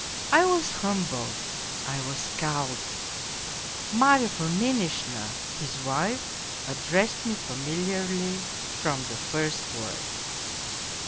I was humbled, I was cowed. Marya 216 POLZUNKOV Fominishna, his wife, addressed me familiarly from the first word.